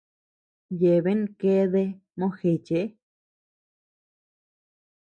Yeabean keadea mojeché.